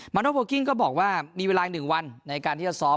โนโพลกิ้งก็บอกว่ามีเวลา๑วันในการที่จะซ้อม